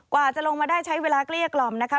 กว่าจะลงมาได้ใช้เวลาเกลี้ยกล่อมนะคะ